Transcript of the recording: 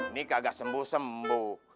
nih kagak sembuh sembuh